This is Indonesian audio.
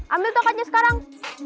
ambil tongkatnya sekarang